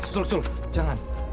sul sul jangan